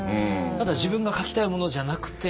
ただ自分が書きたいものじゃなくて。